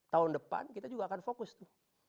tahun depan kita juga akan fokus tuh